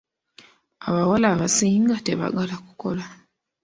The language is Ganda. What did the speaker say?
Abawala abasinga tebaagala kukola.